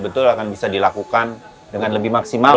betul akan bisa dilakukan dengan lebih maksimal